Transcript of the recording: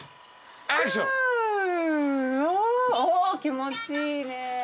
お気持ちいいね。